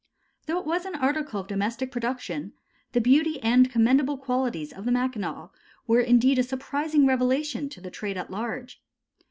Though it was an article of domestic production, the beauty and commendable qualities of the Mackinaw were indeed a surprising revelation to the trade at large.